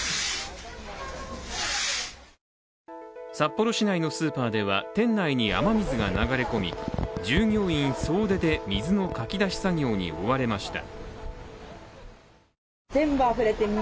札幌市内のスーパーでは、店内に雨水が流れ込み、従業員総出で水のかき出し作業に追われました。